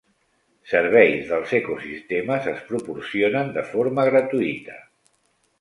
Serveis dels ecosistemes es proporcionen de forma gratuïta.